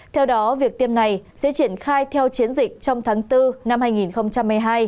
theo đó việc tiêm này sẽ triển khai theo chiến dịch trong tháng bốn năm hai nghìn một mươi hai